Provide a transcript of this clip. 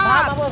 paham mas pur